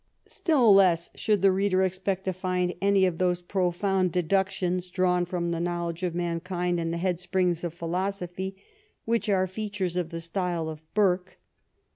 Still less should the reader expect to find any of those profound deduction s* drawn from the knowledge of mankind and the headsprings of philosophy, which are features of the style of Burke.